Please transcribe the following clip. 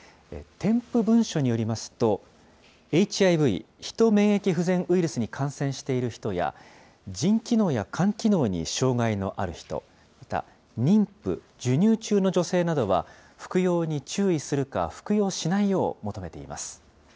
添付文書によりますと、ＨＩＶ・ヒト免疫不全ウイルスに感染している人や、腎機能や肝機能に障害のある人、また、妊婦、授乳中の女性などは服用に注意するか服用しないよう求めています。